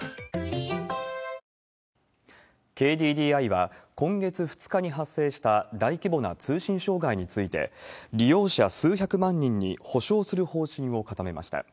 ＫＤＤＩは、今月２日に発生した大規模な通信障害について、利用者数百万人に補償する方針を固めました。